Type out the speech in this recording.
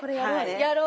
やろう。